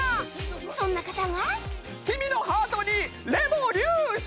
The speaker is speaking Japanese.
そんな方が